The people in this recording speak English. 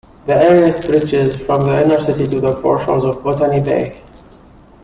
The area stretches from the inner city to the foreshores of Botany Bay.